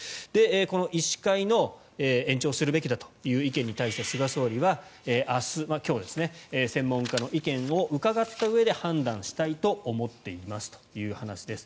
この医師会の延長するべきだという意見に対して菅総理は明日今日ですね専門家の意見を伺ったうえで判断したいと思っていますという話です。